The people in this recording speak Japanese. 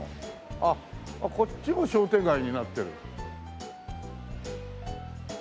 あっこっちも商店街になってる。